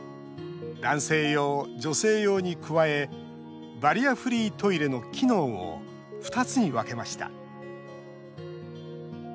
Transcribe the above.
男性用、女性用に加えバリアフリートイレの機能を２つに分けました。